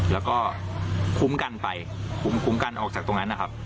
แล้วก็คุ้มกันไปคุ้มกันออกจากตรงนั้นนะครับ